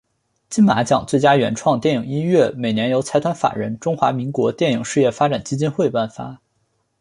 金马奖最佳原创电影音乐每年由财团法人中华民国电影事业发展基金会颁发。